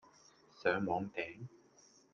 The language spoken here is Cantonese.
上網訂?